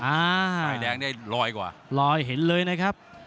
อ่าฝ่ายแดงนี่ลอยกว่าลอยเห็นเลยนะครับ